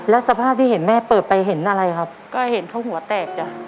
แล้วสภาพที่เห็นแม่เปิดไปเห็นอะไรครับก็เห็นเขาหัวแตกจ้ะ